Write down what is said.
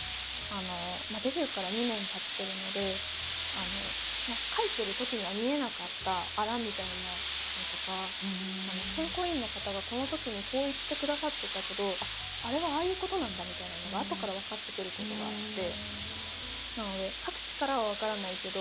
デビューから２年たってるので書いてるときには見えなかったあらみたいなのとか選考委員の方がこのときにこう言ってくださってたけどあっあれはああいうことなんだみたいなのがあとから分かってくることがあって。